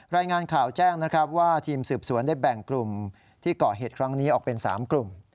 รายงานข่าวแจ้งนะครับว่าทีมสืบสวนได้แบ่งกลุ่มที่ก่อเหตุครั้งนี้ออกเป็น๓กลุ่ม